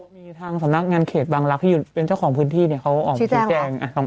มีทางสำนักงานเขตบางลักษณ์ที่เป็นเจ้าของพื้นที่เขาออกมาชี้แจง